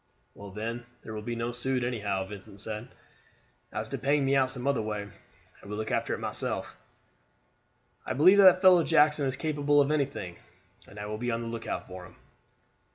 "Well, then, there will be no suit anyhow," Vincent said. "As to paying me out some other way, I will look after myself, Dan. I believe that fellow Jackson is capable of anything, and I will be on the lookout for him."